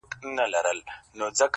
زما هينداره زما زړه او زما پير ورک دی,